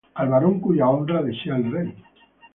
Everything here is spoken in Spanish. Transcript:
Al varón cuya honra desea el rey,